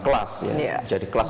jadi pendekatan kelas ya